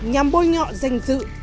nhằm bôi nhọ danh dự